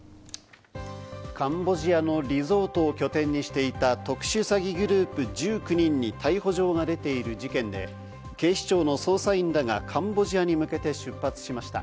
カンボジアのリゾートを拠点にしていた特殊詐欺グループ１９人に逮捕状が出ている事件で、警視庁の捜査員らがカンボジアに向けて出発しました。